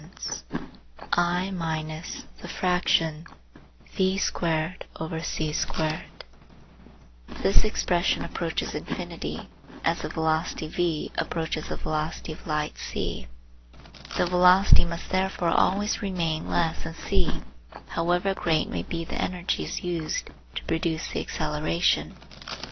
gif This expression approaches infinity as the velocity v approaches the velocity of light c. The velocity must therefore always remain less than c, however great may be the energies used to produce the acceleration.